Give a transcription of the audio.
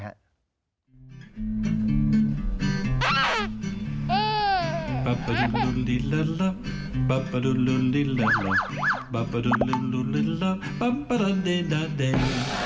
สนุกมากย้อน